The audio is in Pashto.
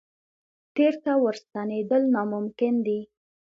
تېر ته ورستنېدل ناممکن دي.